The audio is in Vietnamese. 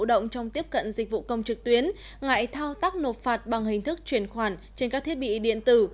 động trong tiếp cận dịch vụ công trực tuyến ngại thao tác nộp phạt bằng hình thức chuyển khoản trên các thiết bị điện tử